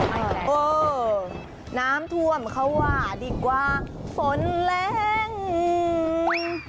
เออน้ำทวมเค้าว่าดีกว่าฝนแรง